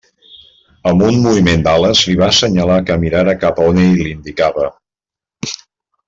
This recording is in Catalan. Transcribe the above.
Amb un moviment d'ales li va assenyalar que mirara cap a on ell l'indicava.